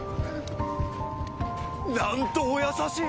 なんとお優しい。